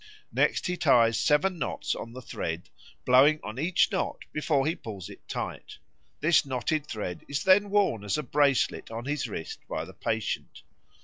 Next he ties seven knots on the thread, blowing on each knot before he pulls it tight. This knotted thread is then worn as a bracelet on his wrist by the patient.